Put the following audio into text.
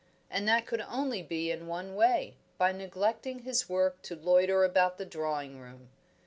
And that could only be in one way, by neglecting his work to loiter about the drawing room.